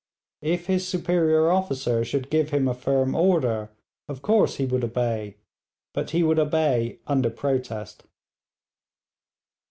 If his superior officer should give him a firm order, of course he would obey, but he would obey under protest.